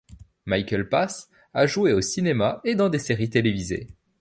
Michael Pas a joué au cinéma et dans des séries télévisées.